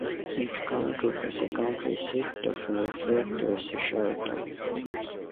Each county has a county seat, often referred to as a shire town.